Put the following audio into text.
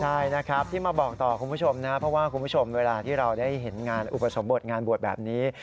ใช่นะครับที่มาบอกต่อคุณผู้ชมนะเพราะว่าคุณผู้ชมเวลาที่เราได้เห็นงานอุปสมบทงานบวชแบบนี้